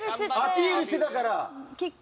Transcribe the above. アピールしてたから。